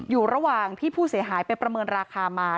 อยู่ระหว่างที่ผู้เสียหายไปประเมินราคามา